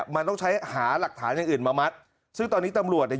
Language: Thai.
มันต้องใช้หาหลักฐานอย่างอื่นมามัดซึ่งตอนนี้ตำรวจเนี่ย